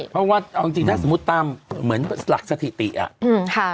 เพราะว่าเอาจริงถ้าสมมุติตามเหมือนหลักสถิติอ่ะ